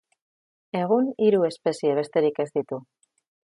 Egun hiru espezie besterik ez ditu.